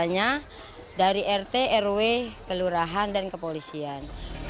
biasanya dari rt rw kelurahan dan kepolisian